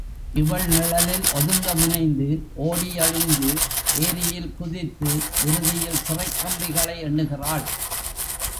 இவள் நிழலில் ஒதுங்க முனைந்து, ஓடி ஒளிந்து ஏரியில் குதித்து, இறுதியில் சிறைக் கம்பிகளை எண்ணுகிறாள்.